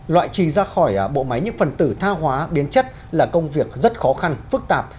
loại trì ra khỏi bộ máy những phần tử tha hóa biến chất là công việc rất khó khăn phức tạp